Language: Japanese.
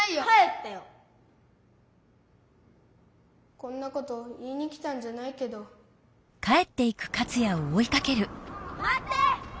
こんなこと言いに来たんじゃないけど。まって！